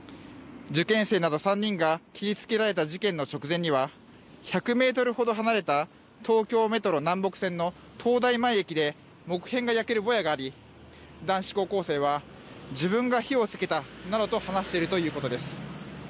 受験生など３人が切りつけられた事件の直前には１００メートルほど離れた東京メトロ南北線の東大前駅で木片が焼けるぼやがあり男子高校生は自分が火をつけたなどと話しているということです。